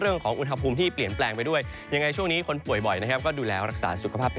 เรื่องเท่าที่นะครั้งนี้คนป่วยบ่อยก็ดูแลรักษาสุขภาพ